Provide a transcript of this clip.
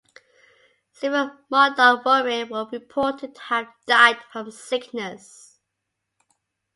Several Modoc women were reported to have died from sickness.